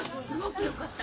よかったよ